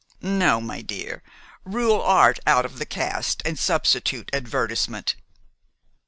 No, my dear, rule art out of the cast and substitute advertisement.